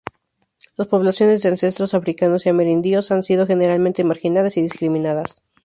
Las poblaciones de ancestros africanos y amerindios han sido generalmente marginadas y discriminadas.